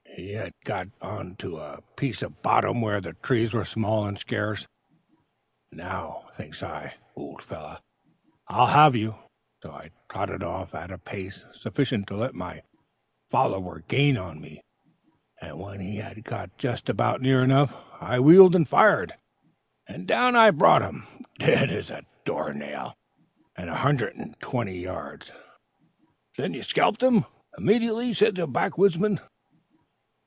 He had got on to a piece of bottom where the trees were small and scarce. 'Now,' thinks I, 'old fellow, I'll have you.' So I trotted off at a pace sufficient to let my follower gain on me, and when he had got just about near enough I wheeled and fired, and down I brought him, dead as a door nail, at a hundred and twenty yards!" "Then you skelp'd (scalped) him immediately?" said the backwoodsman.